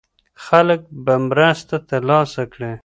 خلک به مرسته ترلاسه کړي.